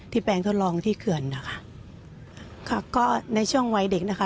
แปลงทดลองที่เขื่อนนะคะค่ะก็ในช่วงวัยเด็กนะคะ